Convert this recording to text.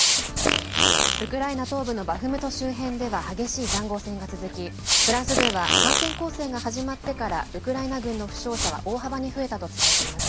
ウクライナ東部のドネツク州のバフムト周辺では激しいざんごう戦が続きフランス２は反転攻勢が始まってからウクライナ軍の負傷者は大幅に増えたと伝えています。